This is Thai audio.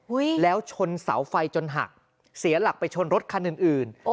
แล้วชนเสาไฟจนหักเสียหลักไปชนรถคันอื่นอื่น